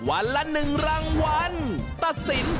วันละ๑รางวัล